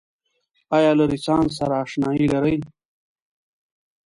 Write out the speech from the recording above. آیا له رنسانس سره اشنایې لرئ؟